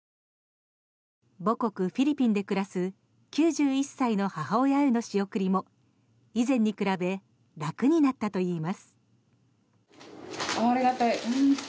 母国フィリピンで暮らす９１歳の母親への仕送りも以前に比べ楽になったといいます。